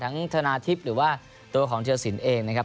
ธนาทิพย์หรือว่าตัวของธิรสินเองนะครับ